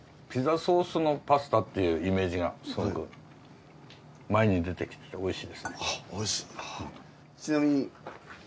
ピザソースのパスタっていうイメージがすごく前に出てきておいしいですね。